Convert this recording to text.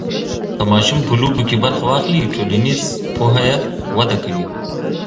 که ماشوم په لوبو کې برخه واخلي، ټولنیز پوهه یې وده کوي.